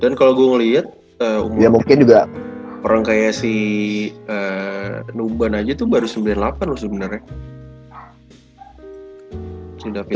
dan kalo gue ngeliat umur orang kayak si nuban aja tuh baru sembilan puluh delapan loh sebenernya